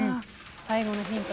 最後のヒント